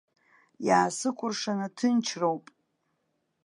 Иаасыкәыршаны ҭынчроуп.